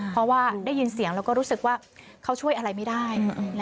เพราะว่าได้ยินเสียงแล้วก็รู้สึกว่าเขาช่วยอะไรไม่ได้